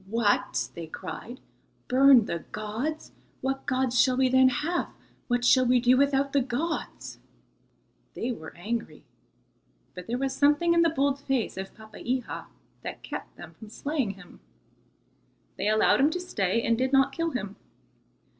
"What!" they cried, "burn the gods! What gods shall we then have? What shall we do without the gods?" They were angry, but there was something in the bold face of Papeiha that kept them from slaying him. They allowed him to stay, and did not kill him.